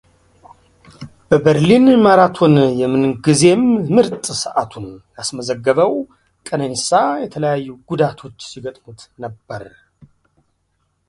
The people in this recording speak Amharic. በበርሊን ማራቶን የምንግዜም ምርጥ ሰዓቱን ያስመዘገበው ቀነኒሳ የተለያዩ ጉዳቶች ሲገጥሙት ነበር።